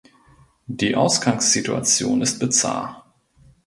Die Ausgangssituation ist bizarr.